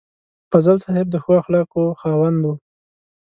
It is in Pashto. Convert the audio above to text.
فضل صاحب د ښو اخلاقو خاوند و.